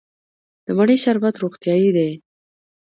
د مڼې شربت روغتیایی دی.